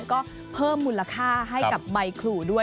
ก็เพิ่มมูลค่าให้กับใบขู่ด้วย